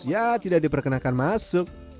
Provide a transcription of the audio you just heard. ya tidak diperkenankan masuk